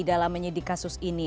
dalam menyidik kasus ini